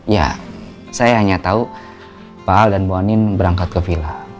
ya saya hanya tahu pak al dan bu anin berangkat ke vila